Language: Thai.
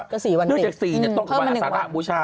หลังจาก๔ตรงกับวันอาสารบูชา